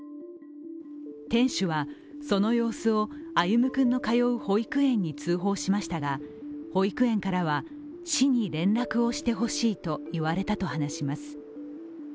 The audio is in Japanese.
店主は、その様子を歩夢君の通う保育園に通報しましたが保育園からは、市に連絡をしてほしいと言われたと話します。